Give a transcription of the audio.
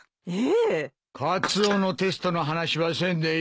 カツオのテストの話はせんでいい。